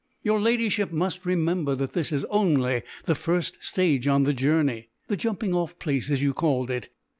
Your Ladyship must remember that this is only the first stage on the journey, the jumping off place as you called it.